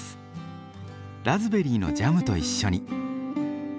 ラズベリーのジャムと一緒に。